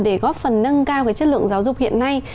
để góp phần nâng cao chất lượng giáo dục hiện nay